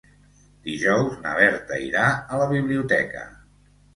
Dijous na Berta irà a la biblioteca.